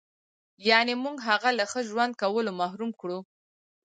یعنې موږ هغه له ښه ژوند کولو محروم کړو.